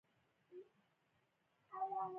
د جوارو د بوټو ترمنځ فاصله څومره وي؟